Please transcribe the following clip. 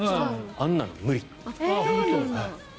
あんなの無理。